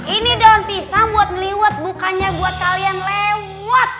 ini daun pisang buat meliwet bukannya buat kalian lewat